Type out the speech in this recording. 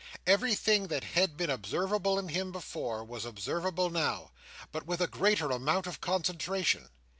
Everything that had been observable in him before, was observable now, but with a greater amount of concentration.